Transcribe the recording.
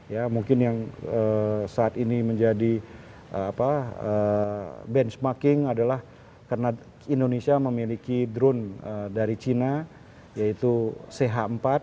ya mungkin yang saat ini menjadi benchmarking adalah karena indonesia memiliki drone dari cina yaitu ch empat